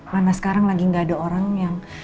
karena sekarang lagi gak ada orang yang